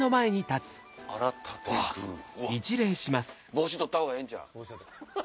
帽子取ったほうがええんちゃう？